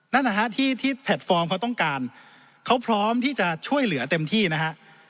นั่นนะฮะที่แพลตฟอร์มเขาต้องการเขาพร้อมที่จะช่วยเหลือเต็มที่นะฮะ